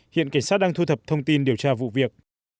hiện cảnh sát đang thu thập thông tin điều tra vụ việc